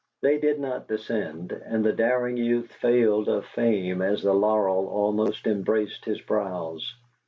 They did not descend, and the daring youth failed of fame as the laurel almost embraced his brows.